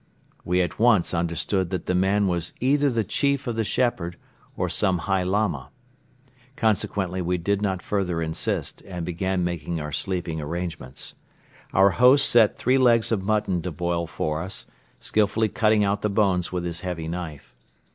We at once understood that the man was either the chief of the shepherd or some high Lama. Consequently we did not further insist and began making our sleeping arrangements. Our host set three legs of mutton to boil for us, skillfully cutting out the bones with his heavy knife.